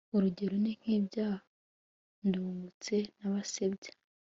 urugero ni nk' ibya ndungutse na basebya